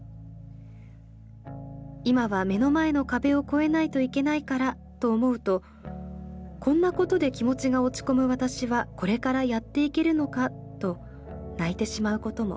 今は目の前の壁を超えないといけないからと思うとこんなことで気持ちが落ち込む私はこれからやっていけるのかと泣いてしまうことも。